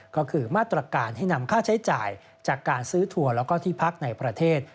ก็คือมาตรการให้นำค่าใช้จ่ายจากการซื้อทัวร์แล้วก็ที่พักในประเทศ